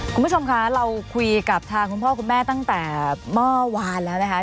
คุณผู้ชมคะเราคุยกับทางคุณพ่อคุณแม่ตั้งแต่เมื่อวานแล้วนะคะ